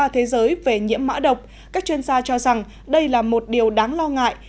trong thông tin của trung tâm ứng cứu an toàn thông tin các chuyên gia cho rằng đây là một điều đáng lo ngại